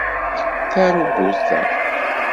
Tarubut-a.